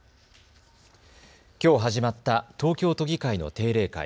きょう始まった東京都議会の定例会。